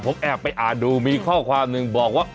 ผมแอบไปอ่านดูมีข้อความหนึ่งบอกว่า